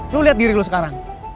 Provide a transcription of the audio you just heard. lo liat diri lo sekarang